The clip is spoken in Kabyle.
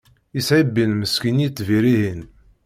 Yesɛibin meskin yitbir-ihin.